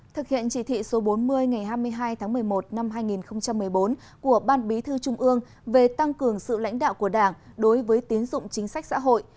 thực hiện chỉ thị số bốn mươi ngày hai mươi hai tháng một mươi một năm hai nghìn một mươi bốn của ban bí thư trung ương về tăng cường sự lãnh đạo của đảng đối với tiến dụng chính sách xã hội